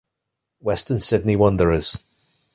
Western Sydney Wanderers